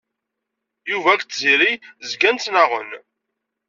Yuba akked Tiziri zgan ttnaɣen.